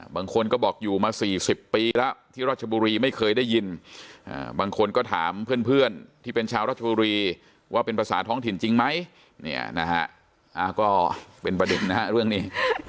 บางคนก็บอกอยู่มา๔๐ปีแล้วที่ราชบุรีไม่เคยได้ยินบางคนก็ถามเพื่อนที่เป็นชาวรัชบุรีว่าเป็นภาษาท้องถิ่นจริงไหมเนี่ยนะฮะก็เป็นประเด็นนะฮะเรื่องนี้